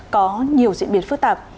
có nhiều diễn biến phức tạp